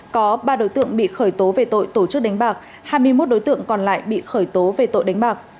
có ba đối tượng bị khởi tố về tội tổ chức đánh bạc hai mươi một đối tượng còn lại bị khởi tố về tội đánh bạc